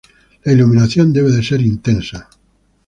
La iluminación debe de ser intensa.